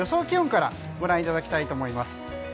気温からご覧いただきたいと思います。